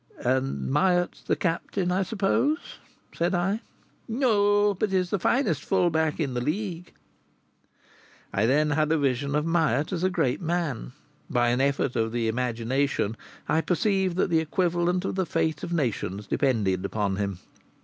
"And Myatt's the captain, I suppose?" said I. "No. But he's the finest full back in the League." I then had a vision of Myatt as a great man. By an effort of the imagination I perceived that the equivalent of the fate of nations depended upon him.